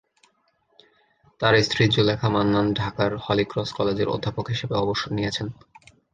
তার স্ত্রী জুলেখা মান্নান ঢাকার হলিক্রস কলেজের অধ্যাপক হিসেবে অবসর নিয়েছেন।